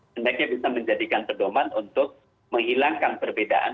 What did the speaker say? sebaiknya bisa menjadikan pedoman untuk menghilangkan perbedaan